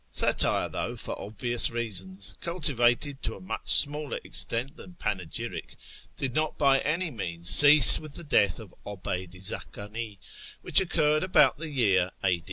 Satire, though, for obvious reasons, cultivated to a much smaller extent than panegyric, did not by any means cease with the death of 'Obeyd i Zakani, which occuiTcd about the year a.